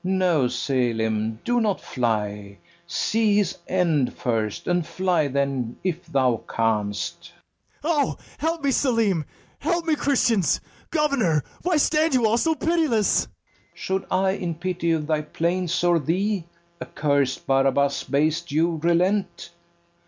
No, Selim, do not fly: See his end first, and fly then if thou canst. BARABAS. O, help me, Selim! help me, Christians! Governor, why stand you all so pitiless? FERNEZE. Should I in pity of thy plaints or thee, Accursed Barabas, base Jew, relent?